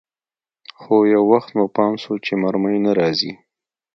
خو يو وخت مو پام سو چې مرمۍ نه راځي.